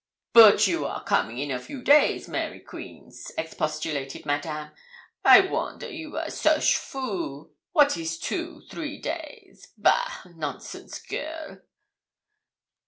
'Bote you are coming in a few days, Mary Quince,' expostulated Madame. 'I wonder you are soche fool. What is two, three days? Bah! nonsense, girl.'